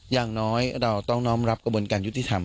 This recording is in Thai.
อย่างน้อยเราต้องน้อมรับกระบวนการยุติธรรม